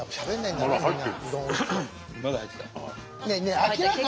まだ入ってた。